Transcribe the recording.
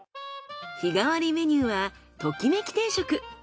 日替わりメニューはときめき定食。